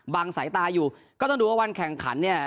สายตาอยู่ก็ต้องดูว่าวันแข่งขันเนี่ย